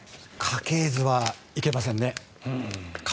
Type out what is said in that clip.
家系図はいけませんね。